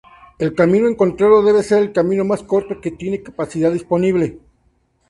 El camino encontrado debe ser el camino más corto que tiene capacidad disponible.